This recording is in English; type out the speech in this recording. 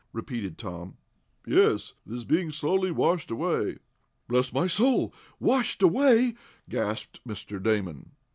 repeated Tom. "Yes. It is being slowly washed away." "Bless my soul! Washed away!" gasped Mr. Damon.